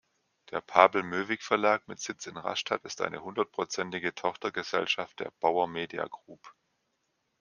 Der Pabel-Moewig-Verlag mit Sitz in Rastatt ist eine hundertprozentige Tochtergesellschaft der Bauer Media Group.